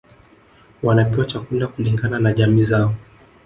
Wanapewa chakula kulingana na jamii zao